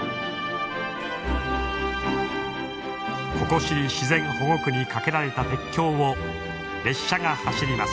ココシリ自然保護区に架けられた鉄橋を列車が走ります。